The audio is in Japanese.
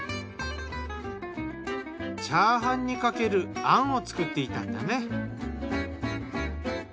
チャーハンにかける餡を作っていたんだね。